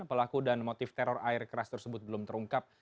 pelaku dan motif teror air keras tersebut belum terungkap